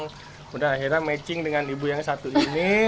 kemudian akhirnya matching dengan ibu yang satu ini